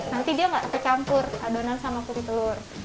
nanti dia nggak tercampur adonan sama kuri telur